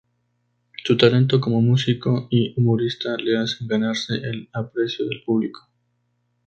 Su talento como músico y humorista le hacen ganarse el aprecio del público.